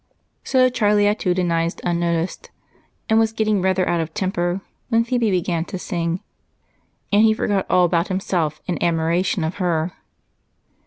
So Charlie attitudinized unnoticed and was getting rather out of temper when Phebe began to sing, and he forgot all about himself in admiration of her.